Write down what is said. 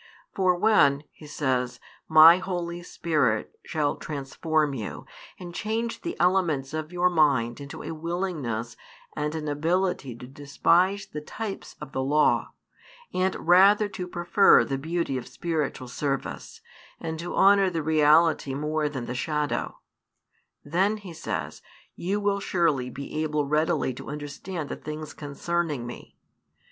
For when, He says, My Holy Spirit shall transform you and change the elements of your mind into a willingness and an ability to despise the types of the Law, and rather to |449 prefer the beauty of spiritual service, and to honour the reality more than the shadow; then, He says, you will surely be able readily to understand the things concerning Me.